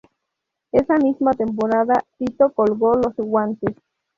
Esa misma temporada Tito colgó los guantes.